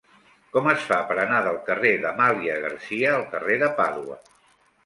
Com es fa per anar del carrer d'Amàlia Garcia al carrer de Pàdua?